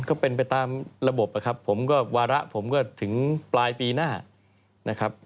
ก็เป็นไปตามระบบนะครับผมก็วาระผมก็ถึงปลายปีหน้านะครับ